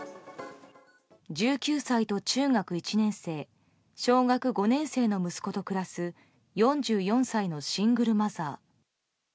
１９歳と中学１年生小学５年生の息子と暮らす４４歳のシングルマザー。